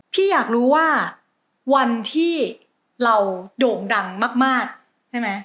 พี่อยากรู้ว่าวันที่เราโด่งดังมากใช่ไหม